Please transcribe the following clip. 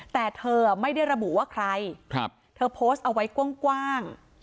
แต่เธอไม่ได้ระบุว่าใครเธอโพสต์เอาไว้กว้าง